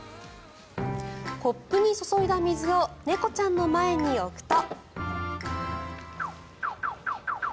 コップに注いだ水を猫ちゃんの前に置くと。